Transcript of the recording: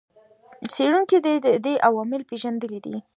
څېړونکو د دې عوامل پېژندلي دي.